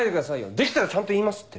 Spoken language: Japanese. できたらちゃんと言いますって。